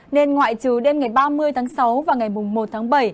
nên ngoại trừ đêm ngày ba mươi tháng sáu và ngày một tháng bảy